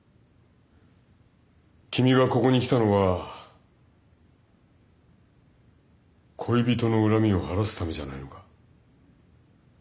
君がここに来たのは恋人の恨みを晴らすためじゃないのか？